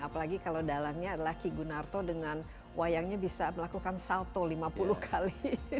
apalagi kalau dalangnya adalah ki gunarto dengan wayangnya bisa melakukan salto lima puluh kali